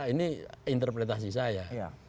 ini interpretasi saya